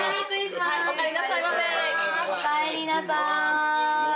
おかえりなさいませ！